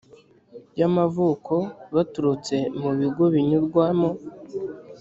y amavuko baturutse mu bigo binyurwamo